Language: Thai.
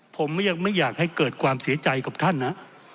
ผมไม่อยากให้เกิดความเสียใจกับท่านนะ